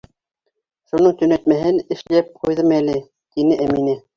Шуның төнәтмәһен эшләп ҡуйҙым әле, — тине Әминә.